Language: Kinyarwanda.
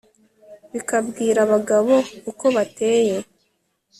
bikabwira abagabo uko bateye